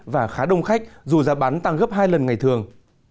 và khá đông khách dù giá bán tăng gấp hai lần ngày thường